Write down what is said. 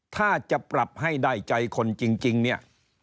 ถ้าจะปรับให้ได้ใจคนจริงเนี่ย